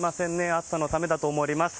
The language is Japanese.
暑さのためだと思われます。